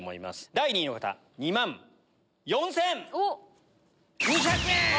第２位の方２万４千２００円！